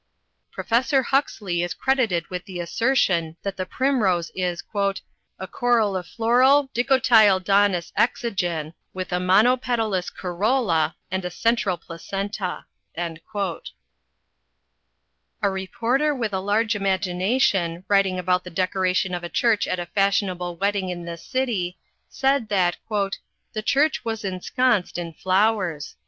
Professor Huxley is credited with the assertion that the primrose is "a corollifloral dicotyledonous exogen, with a monopetalous corolla and a central placenta." A reporter with a large imagination, writing about the decoration of a church at a fashionable wedding in this city, said that "the church was ensconced in flowers."